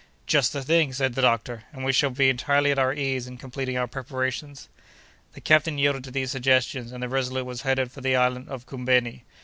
"Just the thing!" said the doctor, "and we shall be entirely at our ease in completing our preparations." The captain yielded to these suggestions, and the Resolute was headed for the island of Koumbeni.